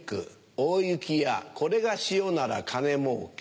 大雪やこれが塩なら金もうけ。